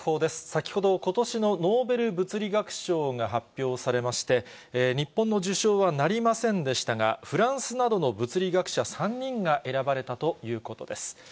先ほど、ことしのノーベル物理学賞が発表されまして、日本の受賞はなりませんでしたが、フランスなどの物理学者３人が選ばれたということです。